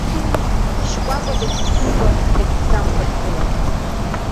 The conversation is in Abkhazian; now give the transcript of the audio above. Шькәакәа дагьԥсымкәа-дагьбзамкәа дгылан.